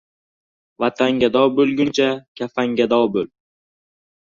Vatangado bo'lguncha, kafangado bo'l.